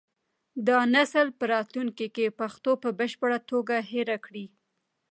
دا نسل به راتلونکي کې پښتو په بشپړه توګه هېره کړي.